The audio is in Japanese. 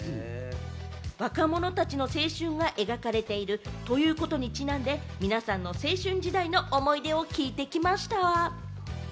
若者たちの青春が描かれているということにちなんで、皆さんの青春時代の思い出を聞いてきました。